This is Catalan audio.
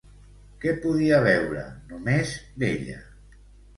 Què podia veure només d'ella?